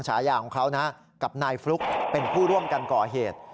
ฉายาของเขานะกับนายฟลุ๊กเป็นผู้ร่วมกันก่อเหตุ